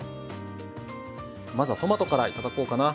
まずはトマトからいただこうかな。